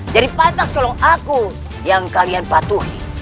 jadi patah tolong aku yang kalian patuhi